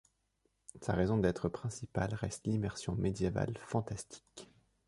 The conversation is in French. Sa raison d'être principale reste l'immersion médiévale fantastique.